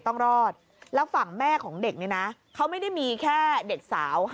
ต้องรอดแล้วฝั่งแม่ของเด็กนี่นะเขาไม่ได้มีแค่เด็กสาว๕